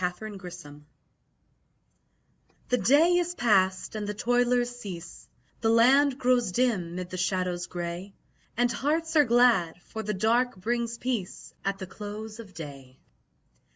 Eventide The day is past and the toilers cease; The land grows dim 'mid the shadows grey, And hearts are glad, for the dark brings peace At the close of day.